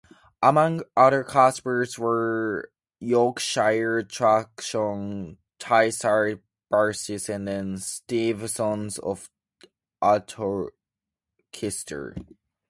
Among other customers were Yorkshire Traction, Tayside Buses and Stevensons of Uttoxeter.